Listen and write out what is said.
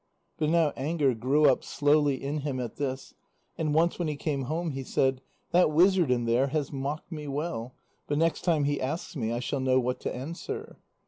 But now anger grew up slowly in him at this, and once when he came home, he said: "That wizard in there has mocked me well, but next time he asks me, I shall know what to answer."